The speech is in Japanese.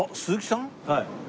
はい。